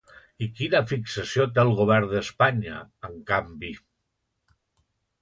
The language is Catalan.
I quina fixació té el govern d'Espanya, en canvi?